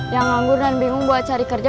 yang nganggur dan bingung buat cari kerja